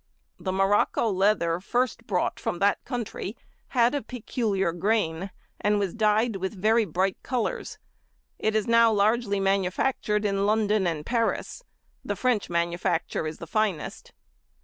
] The Morocco leather first brought from that country, had a peculiar grain, and was dyed with very bright colours. It is now largely manufactured in London and Paris; the French manufacture is the finest.